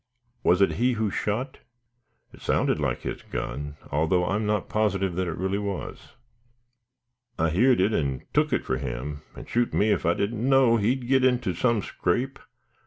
"Was it he who shot?" "It sounded like his gun, although I am not positive that it really was." "I heerd it, an' took it for him; and, shoot me, if I didn't know he'd get into some scrape."